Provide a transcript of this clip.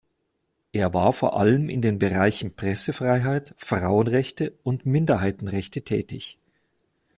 Er war vor allem in den Bereichen Pressefreiheit, Frauenrechte und Minderheitenrechte tätig.